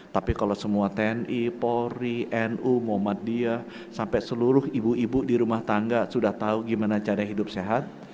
tapi kalau semua tni polri nu muhammadiyah sampai seluruh ibu ibu di rumah tangga sudah tahu gimana cara hidup sehat